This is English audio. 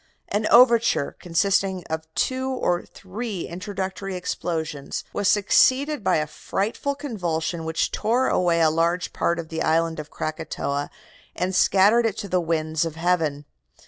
An overture, consisting of two or three introductory explosions, was succeeded by a frightful convulsion which tore away a large part of the island of Krakatoa and scattered it to the winds of heaven.